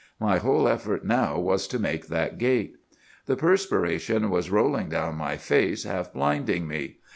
My whole effort now was to make that gate. "'The perspiration was rolling down my face, half blinding me.